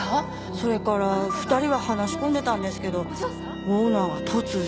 それから２人は話し込んでたんですけどオーナーが突然。